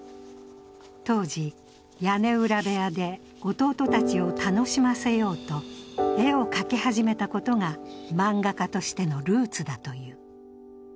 当時、屋根裏部屋で弟たちを楽しませようと絵を描き始めたことが漫画家としてのルーツだという。